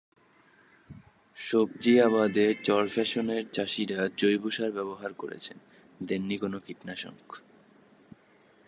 সবজি আবাদে চরফ্যাশনের চাষিরা জৈব সার ব্যবহার করছেন, দেননি কোনো কীটনাশক।